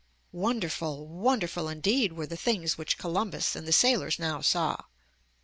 Wonderful, wonderful indeed were the things which Columbus and the sailors now saw!